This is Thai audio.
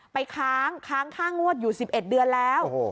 ค้างค้างค่างวดอยู่๑๑เดือนแล้ว